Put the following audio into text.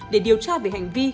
để điều tra về hành vi